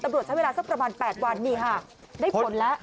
ใช้เวลาสักประมาณ๘วันนี่ค่ะได้ผลแล้ว